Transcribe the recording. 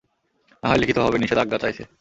নাহয় লিখিতভাবে নিষেধ আাজ্ঞা চায়ছে।